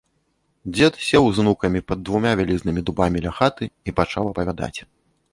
Дзед сеў з унукамі пад двума вялізнымі дубамі ля хаты і пачаў апавядаць.